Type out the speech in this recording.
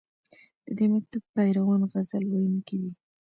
د دې مکتب پیروان غزل ویونکي دي